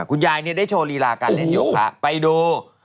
คุณยายได้โชว์ลีลาการเล่นโยคะไปดู